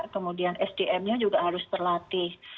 kemudian sdm nya juga harus terlatih